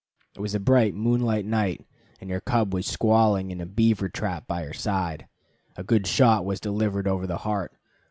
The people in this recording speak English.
It was a bright moonlight night, and her cub was squalling in a beaver trap by her side. A good shot was delivered over the heart.